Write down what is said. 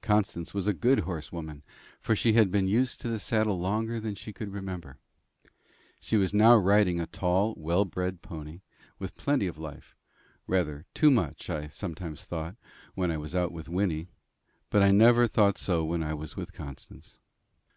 Constance was a good horse woman, for she had been used to the saddle longer than she could remember. She was now riding a tall well bred pony, with plenty of life rather too much, I sometimes thought, when I was out with Wynnie; but I never thought so when I was with Constance.